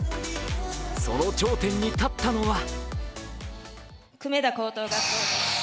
その頂点に立ったのは。